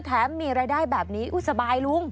แม้มีรายได้แบบนี้อุ๊ยสบายลุง